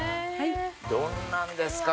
どんなんですか？